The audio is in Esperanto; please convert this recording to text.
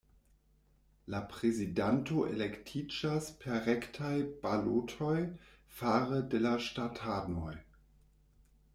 La prezidanto elektiĝas per rektaj balotoj fare de la ŝtatanoj.